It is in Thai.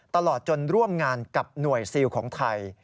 ตลอดจนร่วมงานกับหน่วยซิลของไทย